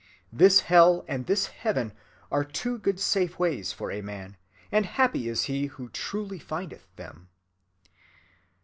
This hell and this heaven are two good safe ways for a man, and happy is he who truly findeth them."